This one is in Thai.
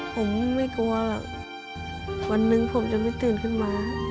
ผมไม่กลัวหรอกวันหนึ่งผมจะไม่ตื่นขึ้นมา